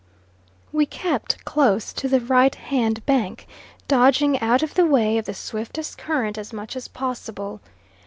We kept along close to the right hand bank, dodging out of the way of the swiftest current as much as possible.